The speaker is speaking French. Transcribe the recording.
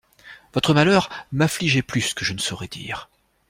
Votre malheur m'affligeait plus que je ne saurais dire.